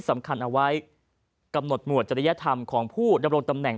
สำคัญเอาไว้กำหนดหมวดจริยธรรมของผู้ดำรงตำแหน่ง